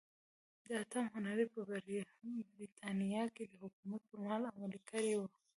د اتم هنري په برېټانیا کې د حکومت پرمهال عملي کړې وه.